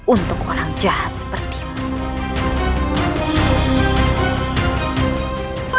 untuk orang jahat sepertimu